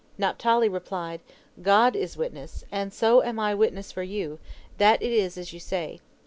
Naphtali replied: "God is witness, and so am I witness for you, that it is as you say.